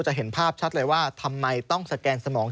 เห็นภาพชัดเลยว่าทำไมต้องสแกนสมอง